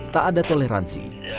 tak ada toleransi